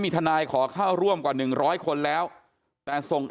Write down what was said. เพราะทนายอันนันชายชายเดชาบอกว่าจะเป็นการเอาคืนยังไง